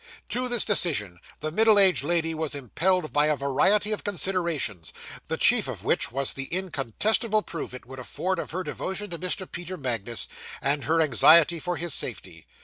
To this decision the middle aged lady was impelled by a variety of considerations, the chief of which was the incontestable proof it would afford of her devotion to Mr. Peter Magnus, and her anxiety for his safety.